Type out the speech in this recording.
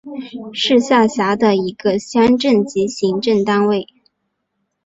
是下辖的一个乡镇级行政单位。